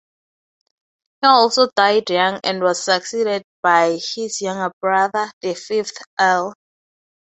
He also died young and was succeeded by his younger brother, the fifth Earl.